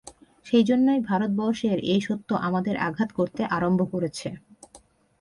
সেইজন্যই ভারতবর্ষের এই সত্য আমাদের আঘাত করতে আরম্ভ করেছে।